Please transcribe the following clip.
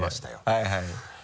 はいはい。